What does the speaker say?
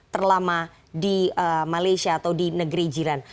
terlama di malaysia atau di negeri jiran